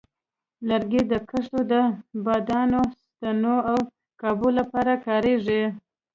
لرګي د کښتو د بادبانو، ستنو، او قابو لپاره کارېږي.